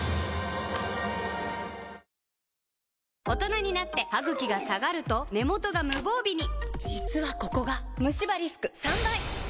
大人になってハグキが下がると根元が無防備に実はここがムシ歯リスク３倍！